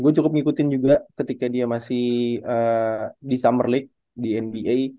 gue cukup ngikutin juga ketika dia masih di summer league di nba